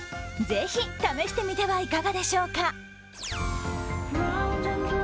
ぜひ試してみてはいかがでしょうか。